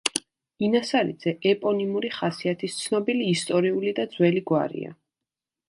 ინასარიძე ეპონიმური ხასიათის ცნობილი ისტორიული და ძველი გვარია.